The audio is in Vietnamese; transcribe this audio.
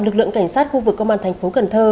lực lượng cảnh sát khu vực công an tp cn